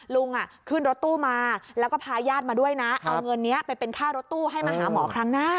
ลุงขึ้นรถตู้มาแล้วก็พาญาติมาด้วยนะเอาเงินนี้ไปเป็นค่ารถตู้ให้มาหาหมอครั้งหน้า